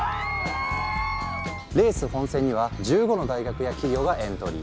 レース本戦には１５の大学や企業がエントリー。